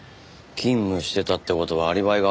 勤務してたって事はアリバイがあるって事か。